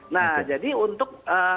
nah jadi untuk